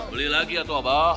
beli lagi aduh abang